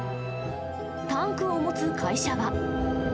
タンクを持つ会社は。